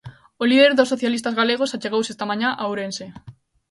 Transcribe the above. O líder dos socialistas galegos achegouse esta mañá a Ourense.